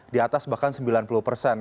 di atas bahkan sembilan puluh persen